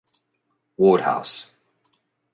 Wodehouse.